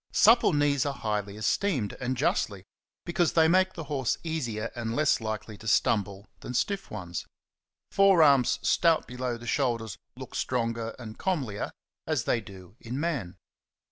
Supple knees are highly esteemed ; and justly, because they make the horse easier and less likely to stumble than stiff ones. Forearms ^ stout below the shoulders look stronger and comelier, as they do in man.